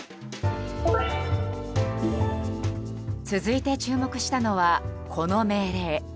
続いて注目したのはこの命令。